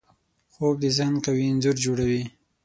خوب د ذهن قوي انځور جوړوي